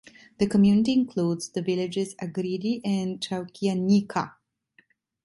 The community includes the villages Agridi and Chalkianika.